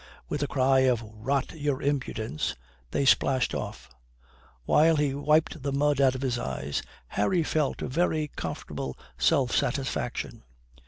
With a cry of "Rot your impudence," they splashed off. While he wiped the mud out of his eyes, Harry felt a very comfortable self satisfaction.